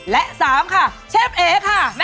และ๓ค่ะเชฟเอ๋ค่ะ